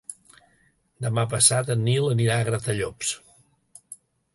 Demà passat en Nil anirà a Gratallops.